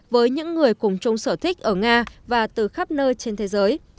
với những người cùng chung sở thích ở nga và từ khắp nơi trên thế giới